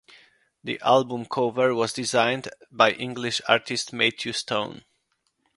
The album cover was designed by English artist Matthew Stone.